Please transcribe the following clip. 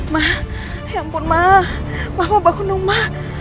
ma ya ampun ma mama bangun dong ma